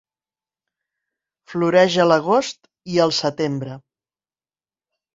Floreix a l'agost i al setembre.